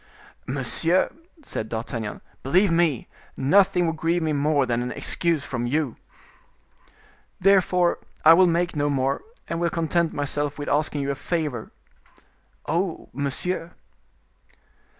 "Monsieur," said D'Artagnan, "believe me, nothing would grieve me more than an excuse from you." "Therefore I will make no more, and will content myself with asking you a favor." "Oh, monsieur."